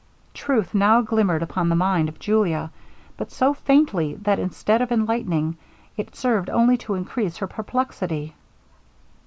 Truth now glimmered upon the mind of Julia, but so faintly, that instead of enlightening, it served only to increase her perplexity.